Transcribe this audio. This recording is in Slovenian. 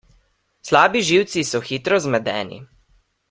Slabi živci so hitro zmedeni.